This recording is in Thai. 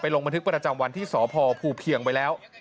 ลงบันทึกประจำวันที่สพภูเพียงไว้แล้ว